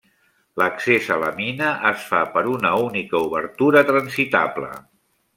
L'accés a la mina es fa per una única obertura transitable.